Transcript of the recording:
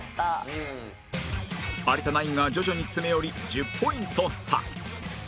有田ナインが徐々に詰め寄り１０ポイント差